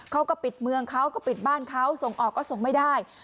เขาก็ปิดเมืองเขาก็ปิดบ้านเขาส่งออกก็ส่งไม่ได้